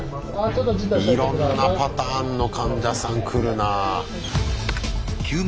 いろんなパターンの患者さん来るなあ。